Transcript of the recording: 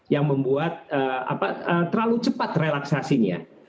yang membuat terlalu cepat relaksasinya